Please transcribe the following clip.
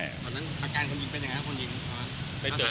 ตอนนั้นอาการคนยิงเป็นอย่างไรคนยิง